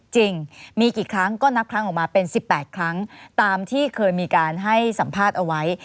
จริงมีกี่ครั้งก็นับครั้งออกมาเป็น๑๘ครั้งตามที่เคยมีการให้สัมภาษณ์เอาไว้